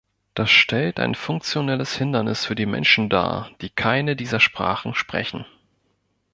Das stellt ein funktionelles Hindernis für die Menschen dar, die keine dieser Sprachen sprechen.